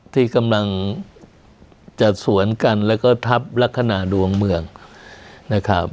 ที่กำลังจะสวนกันแล้วก็ทับลักษณะดวงเมืองนะครับ